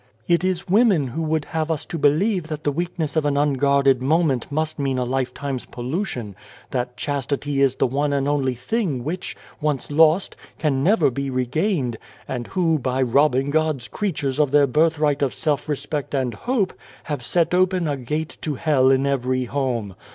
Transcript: " It is women who would have us to believe that the weakness of an unguarded moment must mean a lifetime's pollution ; that chastity is the one and only thing which, once lost, can never be regained ; and who, by robbing God's creatures of their birthright of self respect and hope, have set open a gate to hell in every home.